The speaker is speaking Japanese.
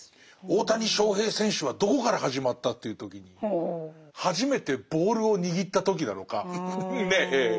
大谷翔平選手はどこから始まったっていう時に初めてボールを握った時なのかねえ